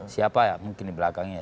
siapa mungkin di belakangnya